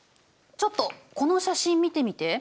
ちょっとこの写真見てみて。